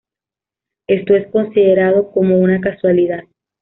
Esto es considerado como una casualidad.